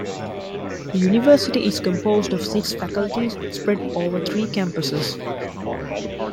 The university is composed of six faculties, spread over three campuses.